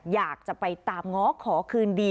อยากจะไปตามง้อขอคืนดี